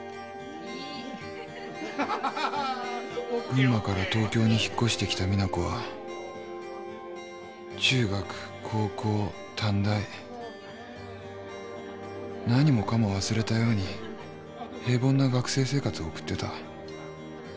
群馬から東京に引っ越してきた実那子は中学高校短大何もかも忘れたように平凡な学生生活を送ってた。